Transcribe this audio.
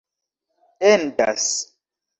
endas